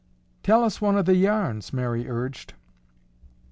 "Tell us one of the yarns," Mary urged.